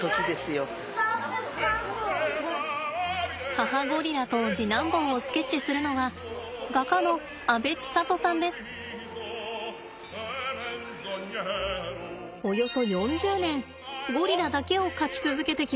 母ゴリラと次男坊をスケッチするのはおよそ４０年ゴリラだけを描き続けてきました。